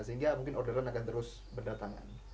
sehingga mungkin order an akan terus berdatangan